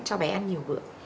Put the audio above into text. cho bé ăn nhiều bữa